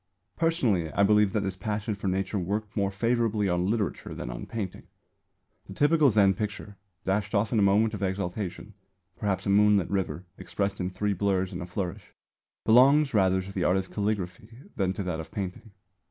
Personally I believe that this passion for Nature worked more favourably on literature than on painting. The typical Zen picture, dashed off in a moment of exaltation perhaps a moonlit river expressed in three blurs and a flourish belongs rather to the art of calligraphy than to that of painting.